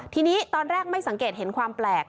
ทีนี้ตอนแรกไม่สังเกตเห็นความแปลก